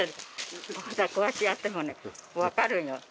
こうやってやってもね分かるんよ。